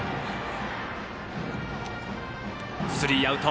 スリーアウト。